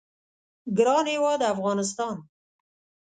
ګران هیواد افغانستان